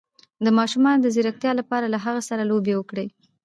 د ماشوم د ځیرکتیا لپاره له هغه سره لوبې وکړئ